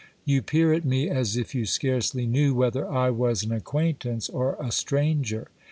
You peer at me as if you scarcely knew whether I was an acquaintance or a stranger.